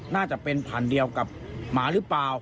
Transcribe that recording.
น่าจะเป็นผันเดียวกับหมาหรือเปล่า